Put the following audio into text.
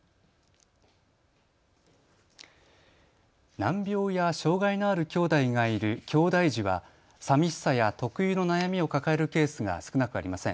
難病や障害のあるきょうだいがいるきょうだい児はさみしさや特有の悩みを抱えるケースが少なくありません。